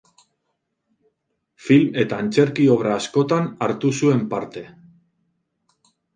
Film eta antzerki obra askotan hartu zuen parte.